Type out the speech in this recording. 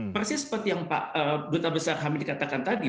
persis seperti yang pak duta besar hamid katakan tadi